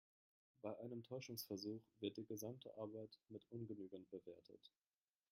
Bei einem Täuschungsversuch wird die gesamte Arbeit mit ungenügend bewertet.